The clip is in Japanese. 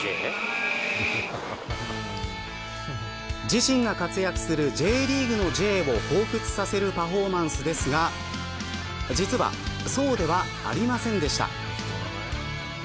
自身が活躍するＪリーグのＪをほうふつさせるパフォーマンスですが実はそうではありませんでした。